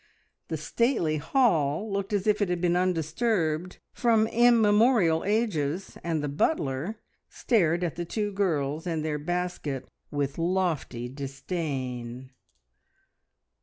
The stately hall looked as if it had been undisturbed from immemorial ages, and the butler stared at the two girls and their basket with lofty disdain.